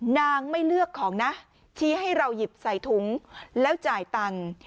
นางไม่เลือกของนะชี้ให้เราหยิบใส่ถุงแล้วจ่ายตังค์